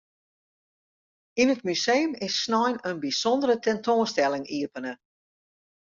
Yn it museum is snein in bysûndere tentoanstelling iepene.